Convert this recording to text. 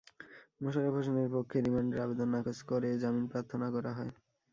মোশাররফ হোসেনের পক্ষে রিমান্ডের আবেদন নাকচ করে জামিন প্রার্থনা করা হয়।